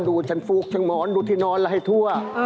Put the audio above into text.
ดูชั้นฟูกชั้นหมอนดูที่นอนและให้ทั่ว